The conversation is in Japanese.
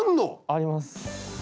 あります。